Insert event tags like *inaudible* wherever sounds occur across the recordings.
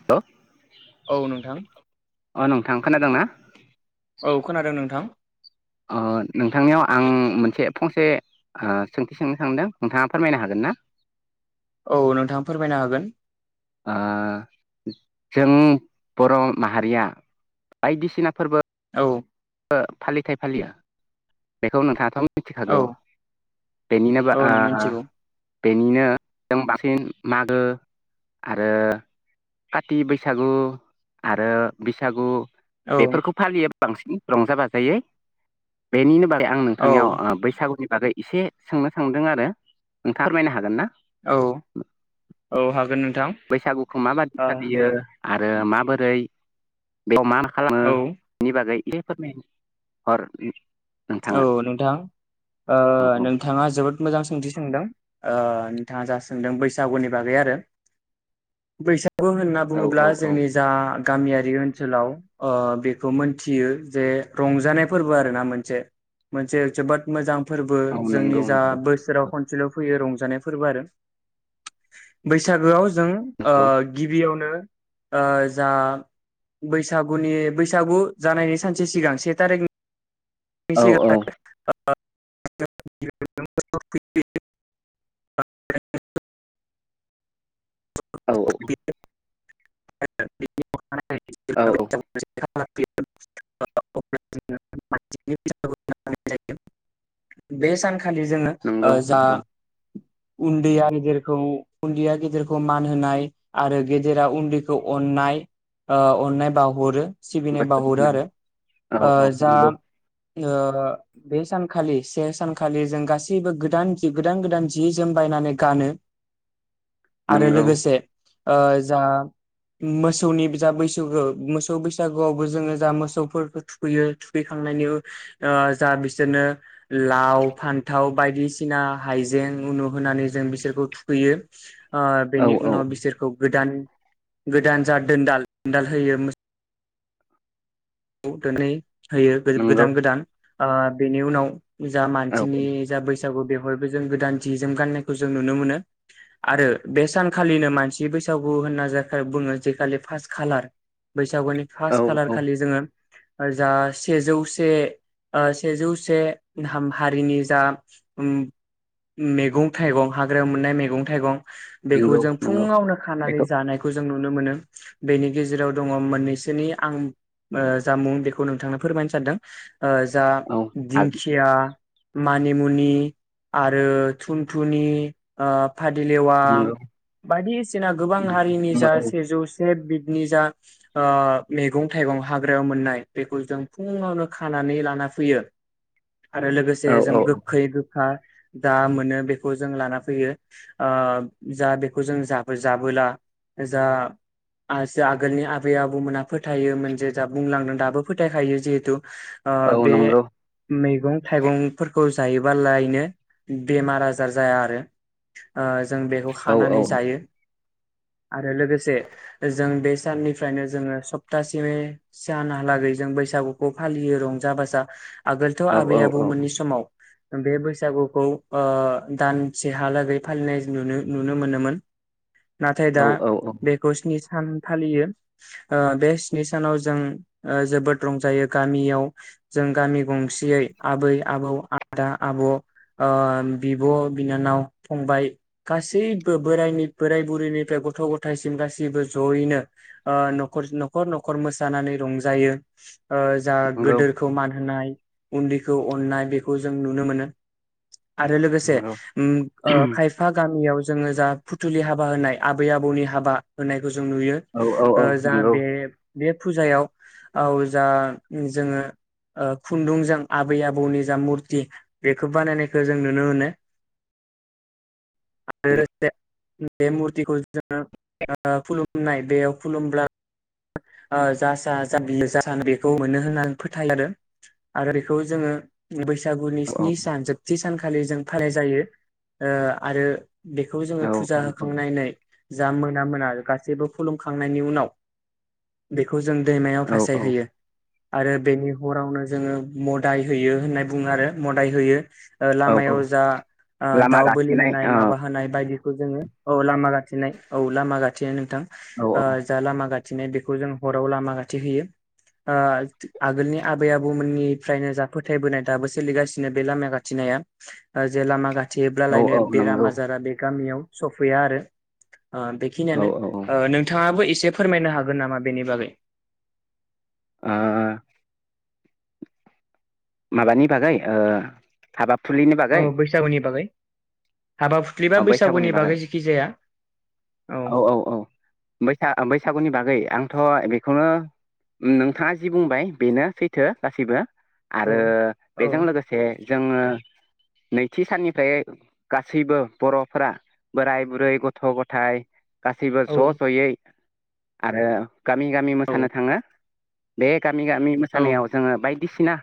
Hello औ नोंथां। अ नोंथां खोनादोंना? औ खोनादों नोंथां ओ नोंथांनियाव आं उम मोनसे फंसे ओ सोंथि सोंनो सांदों नोंथाङा फोरमायनो हागोन ना? औ नोंथाङा फोरमायनो हागोन। ओ जों बर' माहारिया बायदिसिना फोरबो औ फालिथाय फालियो। बेखौ नोंथाङाथ' औ मिथिखागौ बेनिनो ओ औ मिथिगौ बेनिनो जों बांसिन मागो आरो काथि बैसागु आरो बैसागु। औ बेफोरखौ फालियो। बांसिन। रंजा बाजायै बेनिनो बारै आं औ नोंथांनियाव ओ बैसागुनि बागै एसे सोंनो सांदों आरो नोंथाङा फोरमायनो हागोन ना? औ औ हागोन नोंथां। बैसागुखौ माबादि ओ फालियो। आरो माबोरै बेयाव मा खालामो औ बिनि बागै इसे फोरमाय हर औ नोंथाङा नोंथां ओ औ औ नोंथाङा जोबोद मोजां सोंथि सोंदों ओ नोंथाङा जा सोंदों बैसागुनि बागै आरो बैस गु होनना औ औ बुङोब्ला जोंनि जा गामियारि ओनसोलाव ओ बेखौ मोनथियो जे रंजानाय फोरबो आरो ना मोनसे। मोनसे जोबोद मोजां फोरबो औ नंगौ जोंनि जा नंगौ बोसोराव खनसेल फैयो रंजानाय फोरबो आरो बैसागोआव जों ओ नंगौ गिबियावनो ओ जा बैसागुनि बैसागु जानायनि सानसे सिगां से थारिकनि औ औ। *unintelligible* औ औ। औ *unintelligible* औ *unintelligible* *inaudible* बेसानखा खालि जोङो ओ नंगौ जा नंगौ उन्दैया गदेरखौ उन्दैया गेदेरखौ मान होनाय आरो गेदेरा उन्दैखौ अनाय ओ अननाय बावहरो सिबिनाय बोथोर बावाहरो होननानै आरो औ ओ औ जा नंगौ ओ बे सानखालि से सानखालि जों गासैबो गोदान गोदान जि जोम बायनानै गानो आरो नंगौ लोगोसे ओ जा मोसौनि जा बैसागो मोसौ बैसागोआवबो जोङो जा मोसौफोरखौ थुखैयो थुखैखांनायनि ओ जा बिसोरनो लाव फान्थाव बायदिसिना हाइजें उनु होनानै जों बिसोरखौ थुखैयो ओ औ बेनि औ उनाव बिसोरखौ गोदान गोदान जा दोनदाल दोनदाल होयो मो सौ दोनै होयो नंगौ गोदान गोदान ओ बेनि उनाव जा औ मानसिनि जा बैसा बैसागु बेवहायबो जों गोदान जि जोम गाननायखौ जों नुनो मोनो आरो बे सानखालिनो मानसि बैसागु होनना जा खा बुङो जै खालि फार्स खालार बै *unintelligible* औ फार्स खालार औ खालि जोङो जा सेजौसे ओ सेजौसे हा-हारिनि जा उम उम मैगं थाइगं हाग्रायाव मोननाय मैगं थाइगं बेखौ नंगौ जों नंगौ फुङावनो खानानै बेखौ जानायखौ जों नु नुनो मोनो बेनि गेजेराव दङ मोननैसोनि आं जामुं बेखौ नोंथांनो फोरमायनो सानदों जा औ दिंखिया मानिमुनि आरो थुमथुनि ओ फादिलेवा नंगौ बादिसिना गोबां हारिनि जा सेजौसे बि नि जा ओ मैगं थाइगं हाग्रायाव मोननाय बेखौ जों फुङावनो खानानै लाना फैयो आरो औ लोगोसे जों औ गोखै गोखा दा मोनो बेखौ जों लाना फैयो ओ जा बेखौ जों जाबोे जाबोला जा जा आगोलनि आबै आबौमोनहा फोथायोमोन जे जा बुंलांदों दाबो फोथायखायो जिहेतु ओ औ बे नंगौ मैगं थाइगंफोरखौ जायोबालायनो बेमार आजार जाया आरो ओ जों बेखौ औ औ खानानै जायो आरो लोगोसे जों बे साननिफ्रायनो जोङो सप्तासिमै सानहालागै जों बैसागुखौ फालियो रंजा बाजा आगोलथ औ आबै औ आबौमोननि समाव बे बैसागुखौ ओ दानसेहालागै फालिनाय नुनो नुनो मोनोमोन। नाथाय औ दा औ औ बेखौ स्नि सान फालियो ओ बे स्नि सानाव जों ओ जोबोद रंजायो गामियाव जों गामि गंसेयै आबै, आबौ, आदा, आब ओ बिब, बिनानाव, फंबाय गासैबो बोराइनि बोराय बुरैनिफ्राय गथ गथायसिम गासैबो जयैनो ओ नख नखर नखर मो सानानै रंजायो। ओ जा नंगौ गोदोरखौ मान होनाय उन्दैखौ अन्नाय बेखौ जों नुनो मोनो। आरो लोगोसे नंगौ उम ओ खायफा गामियाव जोंङो जा फुथुलि हाबा होनाय आबै आबौनि हाबा होनाय खौ जों नुयो। औ औ औ ओ जा नंगौ बे बे फुजायाव औ जा जोंङो ओ खुन्दुंजों आबै आबौनि जा मुरथि बेखौ बानायनायखौ जों नुनो मोनो आरो लोगोसे बे मुरथिखौ जोंङो खुलुमनाय बेयाव खुलुमब्ला ओ *unintelligible* बेखौ मोनो होननानै फोथायो आरो आरो बेखौ जोङो बैसाग सागुनि औ औ स्नि सान जोबथि सानखालि जों *unintelligible* जायो ओ आरो बेखौ जोंङो औ फुजा होखांनानै जा मोना मोना गासैबो खुलुमखांनायनि उनाव बेख खौ जों दैमायाव औ औ फासायहैयो। आरो बेनि हरावनो जोंङो मदाय होयो होनना बुंङो आरो मदाय होयो। औ औ लामायाव जा लामा दाउ बोलि गाथेनाय होनाय औ माबा होनाय बायदि जोंङो औ लामा गाथेनाय औ लामा गाथेनाय नोंथां। औ ओ जा लामा गा *unintelligible* जों हराव लामा गाथे होयो ओ आगोलनि आबै आबौमोननिफ्रायनो जा फोथायबोनाय दाबो सोलिगासिनो बे लामा खाथेनाया जे लामा औ थेब्लालायनो औ बेराम नंगौ आजारा बे गामियाव सफैया आरो ओ औ बेखिनियानो औ ओ नोंथाङाबो ए से फोरमायनो हागोन नामा? बेनि बागै आ माबानि बागै ओ हाबा औ बैसागुनि बागै। हाबा फुख्लिबा बैसागुनि बागै जेखि जाया। औ औ औ बैसा बैसागुनि बागै आंथ बेखौनो नोंथाङा जि बुंबाय बेनो सैथो गासैबो। औ आरो औ बेजों लोगोसे जोंङो नैथि साननिफ्राय गासैबो बर'फोरा बोराय बुरै गथ' गथाय गासैबो औ ज जयै आरो गामि गामि औ मोसानो थांङो दे। गामि गामि औ मोसानायाव जोङो बाइदि सिना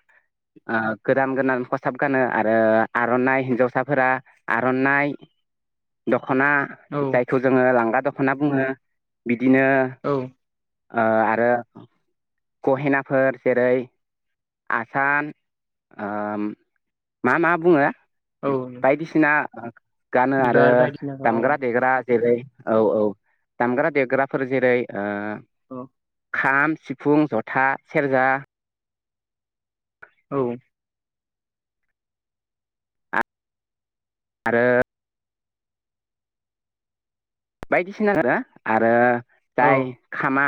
आ गोदान गोदान खसाब गानो आरो आरनाइ हिनजावसाफोरा आरनाइ द खना औ जायखौ लांगा दखना बुङो बिदिनो औ ओ आरो गहेनाफोर जेरै आसान ओ मा मा बुङो औ बायदिसिना आ। गानो आरो बिबार बायदिसिनाखौ दामग्रा देग्रा जेरै औ औ दामग्रा देग्राफोर जेरै ओ औ। खाम सि फुं, जथा, सेरजा, औ। आरो बायदिसिना आरो आरो औ जाय खामआ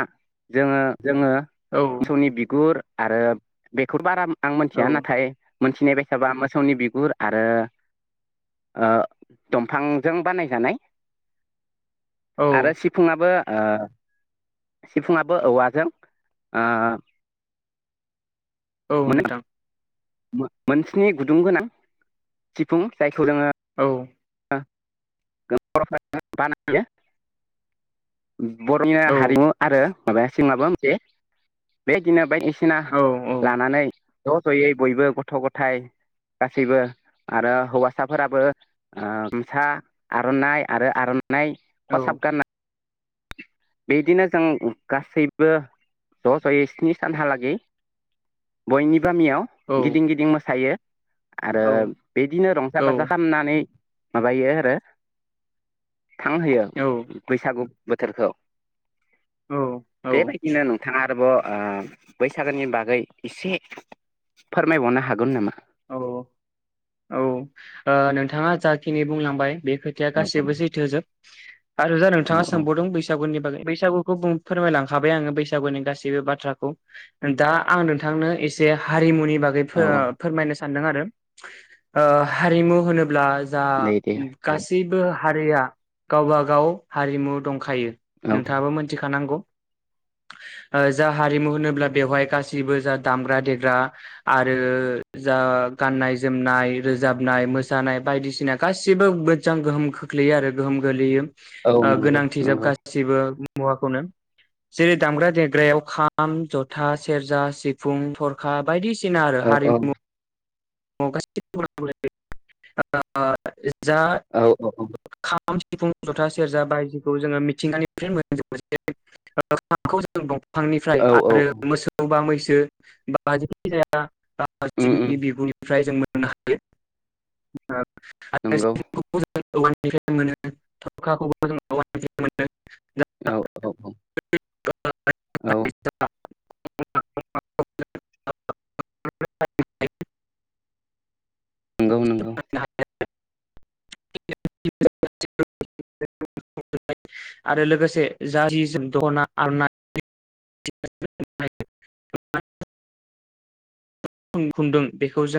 जोङो जोङो औ मोसौनि बिगुर आरो बेखौ बारा आं औ मोनथिया नाथाय मोनथिनाय बायसाबा मोसौनि बिगुर आरो ओ दंफांजों बानायजानाय आरो औ सिफुुंआबो ओ सिफुङाबो औवाजों ओ औ नोंथां मो-मोन स्नि गुदुं गोनां सिफुं जायखौ जोङो औ *unintelligible* बर'नि नो औ हारिमु आरो माबायासै माबा मोनसे बे दिनो बायदि सिना औ लानानै ज' ज'यै बयबो गथ' गथाय गासैबो आरो हौवासाफोराबो ओ गामसा आरनाइ आरो आर नाय औ खसाब गानना बिदिनो जों गासैबो ज' जयै स्नि सानहालागै बयनि बो गामियाव औ गिदिं गिदिं मोसायो। आरो बिदिनो रंजा बाजा खामनानै माबायो आरो थां होयो बैसागु बोथोरखौ। औ बेबायदिनो नोंथाङा आरोबाव ओ बैसागोनि बागै एसे फोरमायबावनो हागोन नामा? औ औ ओ नोंथाङा जाखिनि बुंलांबाय बे खोथाया औ औ गासैबो सैथोजोब। आरो जा औ नोंथाङा औ सोंबावदों बैसागुनि बागै बैसागुखौ बुं फोरमायलांखाबाय आङो बैसागुनि गासैबो बाथ्राखौ नोंथाङा आं नोंथांनो एसे हारिमुनि बागै फो औ औ सान्दों आरो ओ हारिमु होनो ब्ला जा दे दे गासैबो हारिया गावबा गाव हारिमु दं खायो औ नोंथाङाबो मोनथिखानांगौ। ओ जा हारिमु होनोब्ला बेवहाय गासैबो जा दामग्रा देग्रा आरो जा गाननाय जोमनाय, रोजाबनाय, मोसानाय बायदिसिना गासिबो मोजां गोहोम खोख्लैयो आरो गोहोम गोलैयो। औ ओ नंगौ गोनांथि जोब नंगौ गासिबो मुवाखौनो जेरै दामग्रा देग्रायाव खाम, जथा, सेरजा, सिफुं, थरखा बायदिसि ना आरो औ औ हारिमु *unintelligible* जा औ *unintelligible* खाम खाम, सिफुं, जथा, सेरजा बायदिखौ जोङो मिथिंगानिफ्राय *unintelligible* फांनिफ्राय औ औ आरो मोसौ बा मैसो यो बा जेखि जाया उम उम *unintelligible* फ्राय जों मोननो हायो। नंगौ ओ *unintelligible* औवानिफ्राय मोनो थरखाखौबो जों औवानिफ्राय मोनो। औ औ औ। औ *unintelligible* नोंगौ नोंगौ। *unintelligible* आरो लोगोसे जा *unintelligible* खन खुन्दुं बेखौ जों